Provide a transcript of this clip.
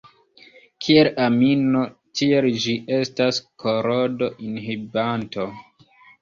Kiel amino, tiel ĝi estas korodo-inhibanto.